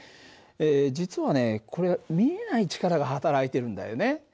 実はねこれ見えない力が働いてるんだよね。